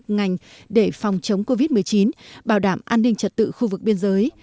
ngành để phòng chống covid một mươi chín bảo đảm an ninh trật tự khu vực biên giới